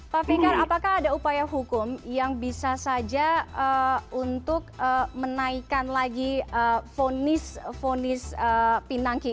pak fikar apakah ada upaya hukum yang bisa saja untuk menaikkan lagi vonis fonis pinangki